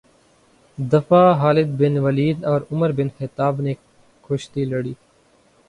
دفعہ خالد بن ولید اور عمر بن خطاب نے کشتی لڑی